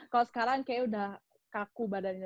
kalau sekarang kayaknya udah kaku badannya